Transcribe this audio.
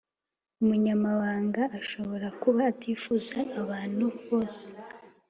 Umunyamahanga ashobora kuba utifuzwa nabantu bose